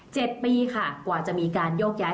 ปีค่ะกว่าจะมีการโยกย้าย